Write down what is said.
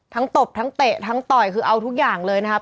ตบทั้งเตะทั้งต่อยคือเอาทุกอย่างเลยนะครับ